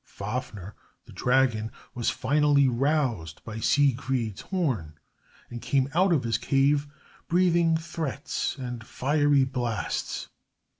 Fafner, the dragon, was finally roused by Siegfried's horn, and came out of his cave breathing threats and fiery blasts.